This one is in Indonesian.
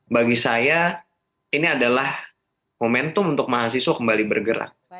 bagi saya ini adalah momentum untuk mahasiswa kembali bergerak